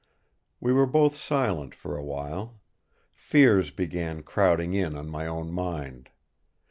We were both silent for a while. Fears began crowding in on my own mind.